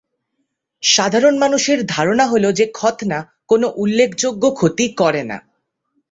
সাধারণ-মানুষের ধারণা হল যে খৎনা কোন উল্লেখযোগ্য ক্ষতি করেনা।